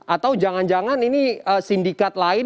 atau jangan jangan ini sindikat lain